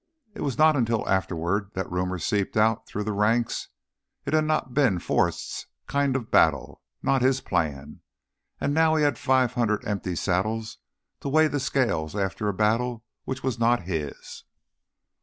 It was not until afterward that rumor seeped out through the ranks; it had not been Forrest's kind of battle, not his plan. And he now had five hundred empty saddles to weight the scales after a battle which was not his.